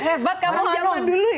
hebat kamu hanum